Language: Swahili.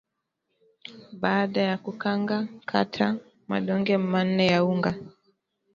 baada ya kukanga kata madonge manne ya unga